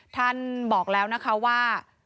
ท่านบอกแล้วนะคะว่า